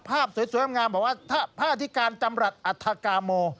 ภาพสวยงามหัววัฒน์พระอาทิการจำรัฐอัทธากาโม